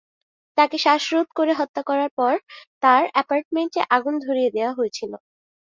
তাকে শ্বাসরোধ করে হত্যা করার পর তার অ্যাপার্টমেন্টে আগুন ধরিয়ে দেওয়া হয়েছিল।